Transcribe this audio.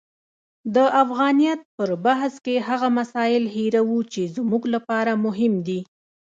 د افغانیت پر بحث کې هغه مسایل هیروو چې زموږ لپاره مهم دي.